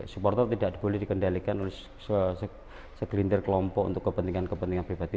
supporter tidak boleh dikendalikan oleh segelintir kelompok untuk kepentingan kepentingan pribadi